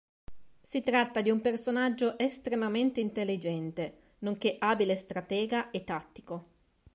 Si tratta di un personaggio estremamente intelligente, nonché abile stratega e tattico.